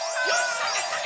さけさけ！